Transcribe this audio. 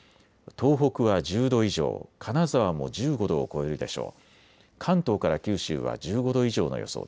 東北は１０度以上金沢も１５度を超えるでしょう。